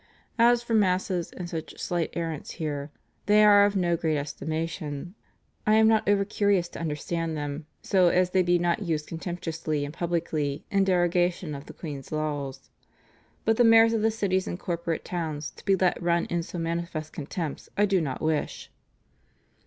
As for Masses and such slight errants here, they are of no great estimation. I am not over curious to understand them, so as they be not used contemptuously and publicly in derogation of the queen's laws. But the mayors of the cities and corporate towns to be let run in so manifest contempts I do not wish."